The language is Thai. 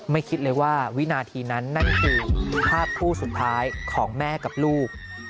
คิดเลยว่าวินาทีนั้นนั่นคือภาพคู่สุดท้ายของแม่กับลูก